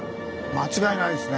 間違いないですね